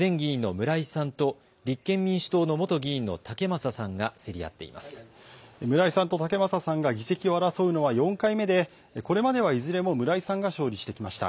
村井さんと武正さんが議席を争うのは４回目でこれまではいずれも村井さんが勝利してきました。